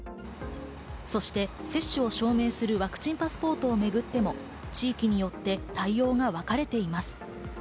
そして接種を証明するワクチンパスポートをめぐっても地域によって対応がわかれています。